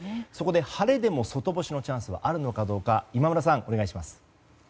晴れでも外干しのチャンスはあるのかどうか今村さん、お願いします。